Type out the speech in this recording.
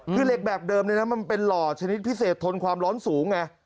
คือเหล็กแบบเดิมมันเป็นหล่อชนิดพิเศษทนความร้อนสูงไง